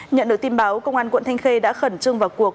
nhận được tin báo công an quận thanh khê đã khẩn trương vào cuộc